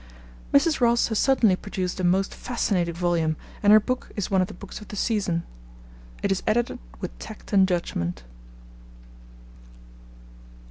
Mrs. Ross has certainly produced a most fascinating volume, and her book is one of the books of the season. It is edited with tact and judgment.